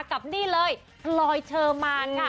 กับนี่เลยลอยเตอร์มาก